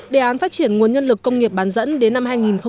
đề án phát triển nguồn nhân lực công nghiệp bán dẫn đến năm hai nghìn ba mươi